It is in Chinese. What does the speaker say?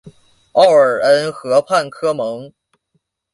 奥尔恩河畔科蒙。